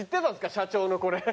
社長のこれ。